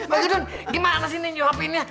pak girun gimana sih nianju hapinnya